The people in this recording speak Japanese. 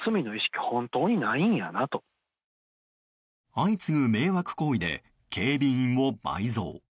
相次ぐ迷惑行為で警備員を倍増。